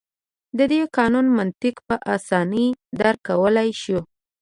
د دې قانون منطق په اسانۍ درک کولای شو.